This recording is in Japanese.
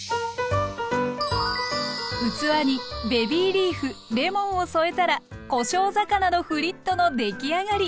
器にベビーリーフレモンを添えたらこしょう魚のフリットのできあがり。